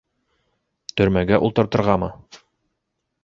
Төрмәгә ултыртырғамы?